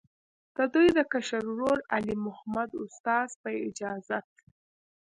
د دوي د کشر ورور، علي محمد استاذ، پۀ اجازت